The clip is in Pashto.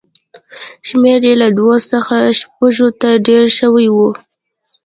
شمېر یې له دوو څخه شپږو ته ډېر شوی و.